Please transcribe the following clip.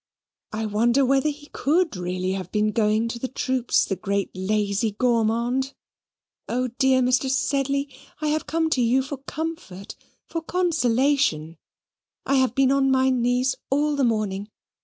(I wonder whether he could really have been going to the troops, this great lazy gourmand?) Oh! dear Mr. Sedley, I have come to you for comfort for consolation. I have been on my knees all the morning.